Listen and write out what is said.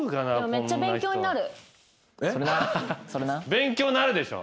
めっちゃ勉強になる。